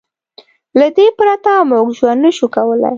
له دې پرته موږ ژوند نه شو کولی.